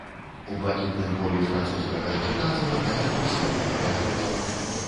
У блакітным полі французскага шчыта залатая рысь, якая ляжыць.